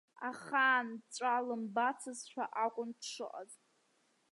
Ахаан ҵәа лымбацызшәа акәын дшыҟаз.